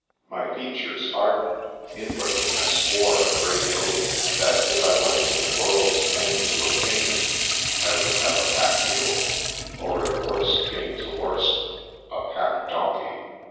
My features hardened. Inwardly, I swore a great oath that, if I went to the world's end to obtain it, I would have a pack mule, or, if worse came to worst, a pack donkey.